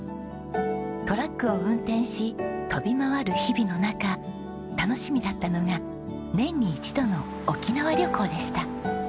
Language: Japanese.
トラックを運転し飛び回る日々の中楽しみだったのが年に一度の沖縄旅行でした。